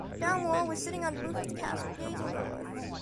Dalmor was sitting on the roof of the castle, gazing north.